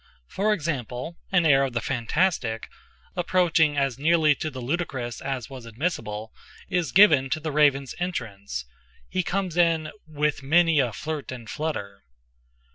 For example, an air of the fantastic—approaching as nearly to the ludicrous as was admissible—is given to the Raven's entrance. He comes in "with many a flirt and flutter."